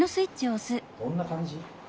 どんな感じ？